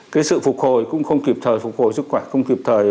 cái sự phục hồi cũng không kịp thời phục hồi sức khỏe không kịp thời